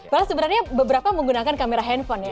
padahal sebenarnya beberapa menggunakan kamera handphone ya